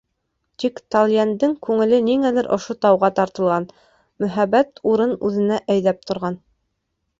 Тик Талйәндең күңеле ниңәлер ошо тауға тартылған, мөһабәт урын үҙенә әйҙәп торған.